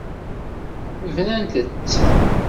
Bnant-tt.